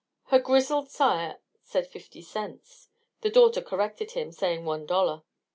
Her grizzled sire said fifty cents; the daughter corrected him, saying one dollar.